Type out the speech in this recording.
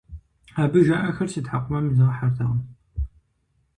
Абы жаӏэхэр си тхьэкӀумэм изгъэхьэртэкъым.